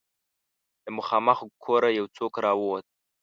له مخامخ کوره يو څوک را ووت.